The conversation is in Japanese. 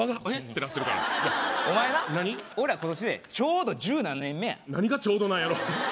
てなってるからいやお前な俺ら今年でちょうど１７年目や何がちょうどなんやろう？